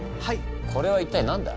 これは一体何だ？